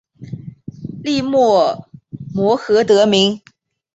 粟末靺鞨得名。